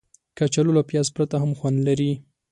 کچالو له پیاز پرته هم خوند لري